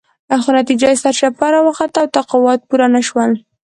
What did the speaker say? خو نتیجه سرچپه راوخته او توقعات پوره نه شول.